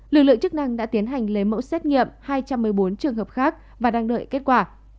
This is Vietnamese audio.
lực lượng chức năng đã tiến hành lấy mẫu xét nghiệm hai trăm một mươi bốn trường hợp khác và đang đợi kết quả